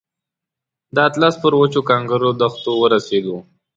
د اطلس پر وچو کانکرو دښتو ورسېدو.